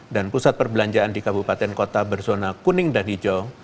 dan pusat perbelanjaan di kabupaten kota berzona kuning dan hijau